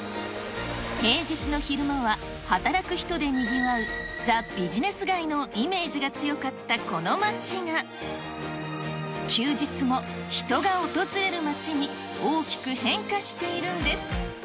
平日の昼間は働く人でにぎわうザ・ビジネス街のイメージが強かったこの街が、休日も人が訪れる街に大きく変化しているんです。